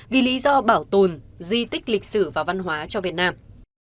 vì lý do bảo tồn di tích lịch sử và văn hóa cho việt nam